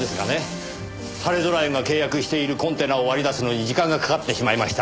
はれぞら園が契約しているコンテナを割り出すのに時間がかかってしまいました。